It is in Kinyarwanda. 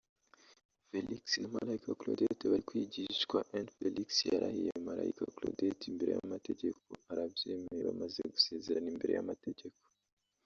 Felix na Malayika Claudette bari kwigishwa N Felix yarahiyeMalayika Claudette imbere y'amategeko arabyemeyeBamaze gusezerana Imbere y'amategeko